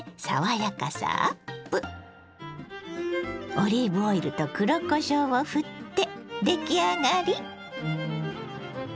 オリーブオイルと黒こしょうをふって出来上がり。